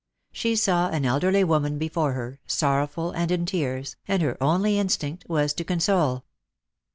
She saw an elderly woman before her, sorrowful and in tears, and her only instinct was to console.